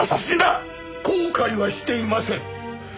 後悔はしていません。